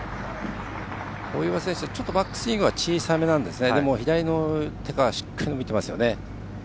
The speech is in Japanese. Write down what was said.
大岩選手バックスイングは小さめですが左の手がしっかり見てますよね。